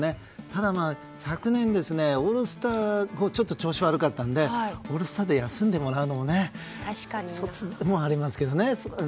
ただ、昨年オールスター後ちょっと調子悪かったのでオールスターで休んでもらうのも１つありますけどね。